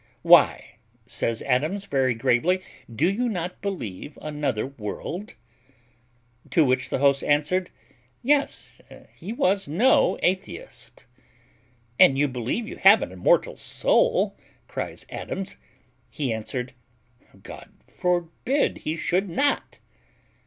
"Why," says Adams very gravely, "do not you believe another world?" To which the host answered, "Yes; he was no atheist." "And you believe you have an immortal soul?" cries Adams. He answered, "God forbid he should not."